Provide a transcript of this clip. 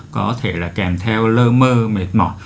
có thể là kèm theo lơ mơ mệt mỏi